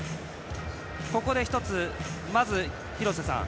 ここで１つ、まず廣瀬さん